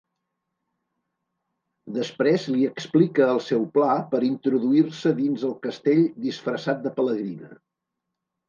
Després li explica el seu pla per introduir-se dins el castell disfressat de pelegrina.